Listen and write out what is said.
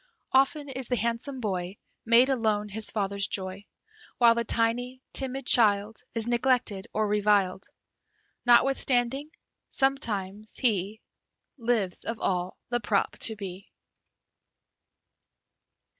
Often is the handsome boy Made, alone, his father's joy; While the tiny, timid child Is neglected or reviled. Notwithstanding, sometimes he Lives, of all, the prop to be.